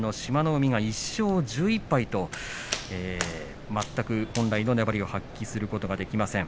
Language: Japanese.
海が１勝１１敗と全く本来の粘りを発揮することができません。